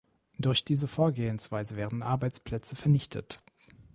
Durch diese Vorgehensweise werden Arbeitsplätzen vernichtet.